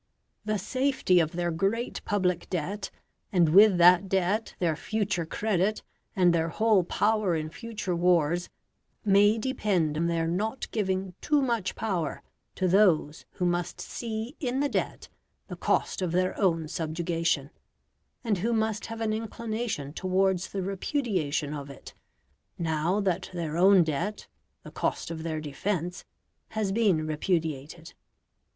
The safety of their great public debt, and with that debt their future credit and their whole power in future wars, may depend on their not giving too much power to those who must see in the debt the cost of their own subjugation, and who must have an inclination towards the repudiation of it, now that their own debt the cost of their defence has been repudiated.